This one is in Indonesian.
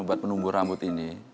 buat penumbuh rambut ini